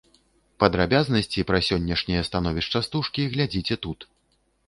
Падрабязнасці пра сённяшняе становішча стужкі глядзіце тут.